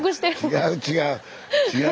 違う違う。